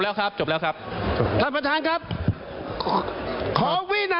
และหน้ากันมึงวิ๑๙๘๒น